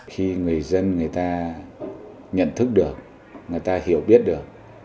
khi người dân người ta nhận thức được người ta hiểu biết được